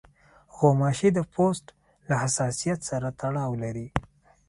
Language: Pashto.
غوماشې د پوست له حساسیت سره تړاو لري.